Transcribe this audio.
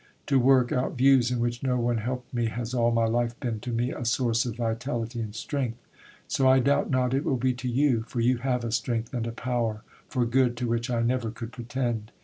To work out views in which no one helped me has all my life been to me a source of vitality and strength. So I doubt not it will be to you, for you have a strength and a power for good to which I never could pretend.